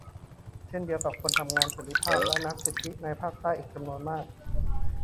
เช่นเดียวกับคนทำงานสันติภาพและนักสิทธิในภาคใต้อีกจำนวนมาก